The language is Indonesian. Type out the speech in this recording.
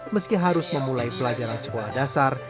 meski harus memulai pelajaran sekolah dasar